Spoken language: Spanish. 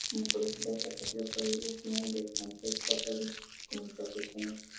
Como curiosidad, ese partido fue el último de Francesco Totti como profesional.